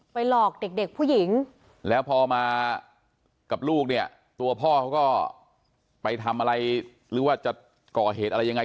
หลอกเด็กผู้หญิงแล้วพอมากับลูกเนี่ยตัวพ่อเขาก็ไปทำอะไรหรือว่าจะก่อเหตุอะไรยังไง